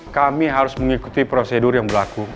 kami harus mengikuti prosedur yang berlaku